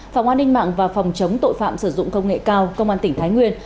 phòng an ninh mạng và phòng chống tội phạm sử dụng công nghệ cao công an tỉnh thái nguyên